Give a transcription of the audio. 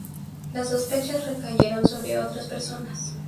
Las sospechas recayeron sobre otras personas.